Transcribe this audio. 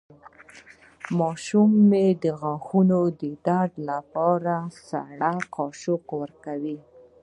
د ماشوم د غاښونو د درد لپاره سړه قاشق ورکړئ